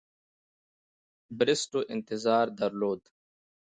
بریسټو انتظار درلود.